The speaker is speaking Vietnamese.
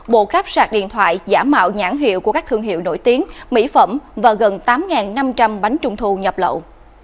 bộ cáp sạc điện thoại giả mạo nhãn hiệu của các thương hiệu nổi tiếng mỹ phẩm và gần tám năm trăm linh bánh trung thù nhập lậu